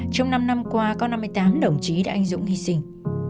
trong năm năm qua có năm mươi tám đồng chí đã anh dũng hy sinh